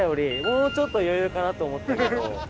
もうちょっと余裕かなと思ったけど。